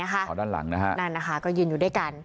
พี่ก็ยืนอยู่ด้วยกัน